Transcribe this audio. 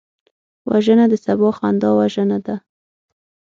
وژنه د سبا خندا وژنه ده